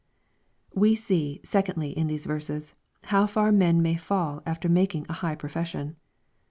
We see, secondly, in these verses, how far men may fall after making a high prof esaion.